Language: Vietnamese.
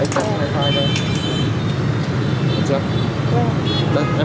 tôi không có mạng đâu